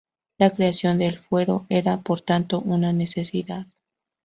La creación del Fuero era, por tanto, una necesidad.